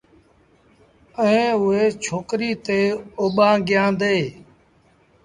ائيٚݩ اُئي ڇوڪريٚ تي اوٻآݩگيآݩدي